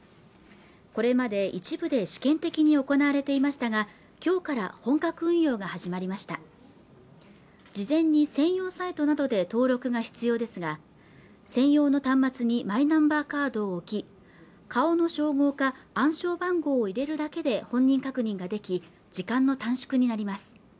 これまで一部で試験的に行われていましたがきょうから本格運用が始まりました事前に専用サイトなどで登録が必要ですが専用の端末にマイナンバーカードを置き顔の照合か暗証番号を入れるだけで本人確認ができ時間の短縮になります